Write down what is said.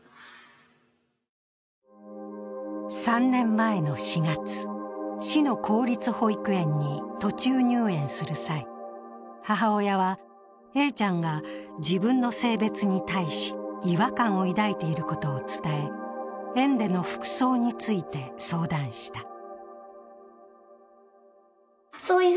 ３年前の４月、市の公立保育園に途中入園する際、母親はＡちゃんが自分の性別に対し違和感を抱いていることを伝え、園での服装について相談した。